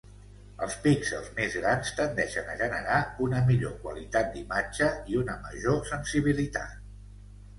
Els píxels més grans tendeixen a generar una millor qualitat d'imatge i una major sensibilitat.